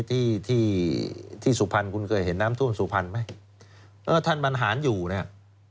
ที่สุภัณฑ์คุณเคยเห็นน้ำท่วมสุภัณฑ์มั้ยเออท่านบรรหารอยู่น่ะอืม